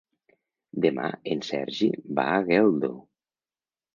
Demà en Sergi va a Geldo.